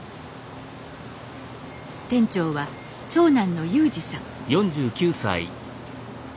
店長は長男の祐二さん